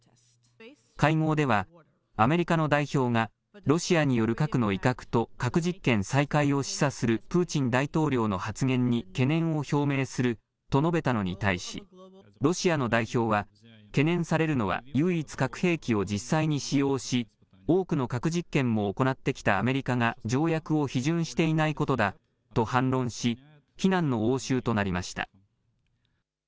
会合ではアメリカの代表がロシアによる核の威嚇と核実験再開を示唆するプーチン大統領の発言に懸念を表明すると述べたのに対し、ロシアの代表は、懸念されるのは、唯一、核兵器を実際に使用し、多くの核実験も行ってきたアメリカが条約を批准していないことだと反論し、非難の応酬となりました。